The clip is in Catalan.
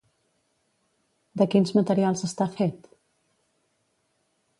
De quins materials està fet?